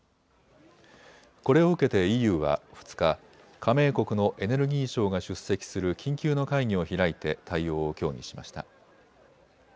これを受けてＥＵは２日加盟国のエネルギー相が出席する緊急の会議を開いて対応を協議しました。